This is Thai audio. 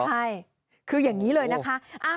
ใช่คืออย่างนี้เลยนะคะ